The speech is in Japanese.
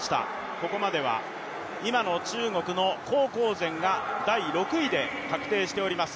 ここまでは今の中国の胡浩然が第６位で確定しています。